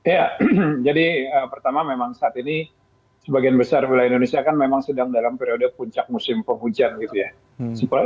ya jadi pertama memang saat ini sebagian besar wilayah indonesia kan memang sedang dalam periode puncak musim penghujan gitu ya